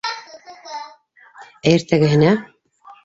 Ә иртәгәһенә.